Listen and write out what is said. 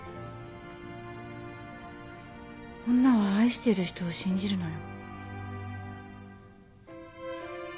女は愛してる人を信じるのよ。